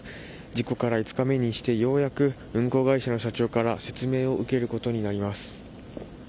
事故から５日目にしてようやく運航会社の社長から説明を受けることになります。